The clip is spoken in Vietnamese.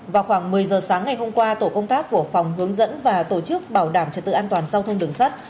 vào khoảng một mươi giờ sáng ngày hôm qua tổ công tác của phòng hướng dẫn và tổ chức bảo đảm trật tự an toàn giao thông đường sắt